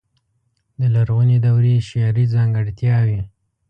د لرغونې دورې شعري ځانګړتياوې.